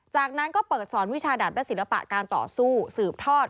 จากนั้นก็เปิดสอนวิชาดัทและศิลปะการต่อสู้สืบทอด